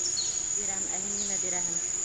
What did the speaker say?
— Бирәм, ә һин нимә бирәһең?